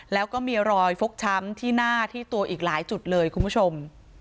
แล้วก็มีรอยฟกช้ำที่หน้าที่ตัวอีกหลายจุดเลยคุณผู้ชม